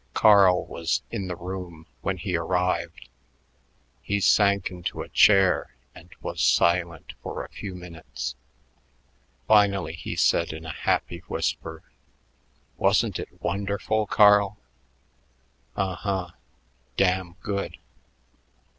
Carl was in the room when he arrived. He sank into a chair and was silent for a few minutes. Finally he said in a happy whisper, "Wasn't it wonderful, Carl?" "Un huh. Damn good."